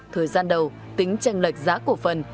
thời gian đầu tính tranh lệch giá cổ phần